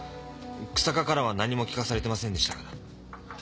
日下からは何も聞かされてませんでしたから。